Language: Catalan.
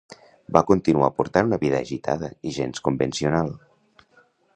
Va continuar portant una vida agitada i gens convencional.